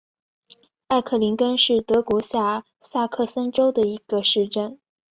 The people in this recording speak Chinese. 艾克林根是德国下萨克森州的一个市镇。